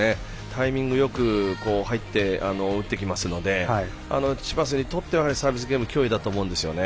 タイミングよく入って打ってきますのでチチパスにとってはサービスゲーム脅威だと思うんですよね。